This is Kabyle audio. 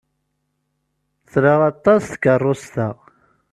Tra aṭas takeṛṛust-a.